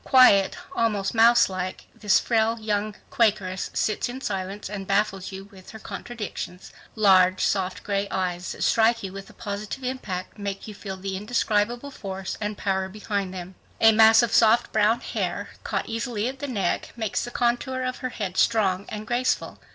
Quiet, almost mouselike, this frail young Quakeress sits in silence and baffles you with her contradictions. Large, soft, gray eyes that strike you with a positive impact make you feel the indescribable force and power behind them. A mass of soft brown hair, caught easily at the neck, makes the contour of her head strong and graceful.